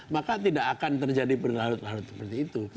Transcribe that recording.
maka tidak akan terjadi berlarut larut seperti itu